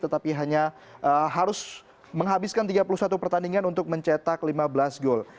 tetapi hanya harus menghabiskan tiga puluh satu pertandingan untuk mencetak lima belas gol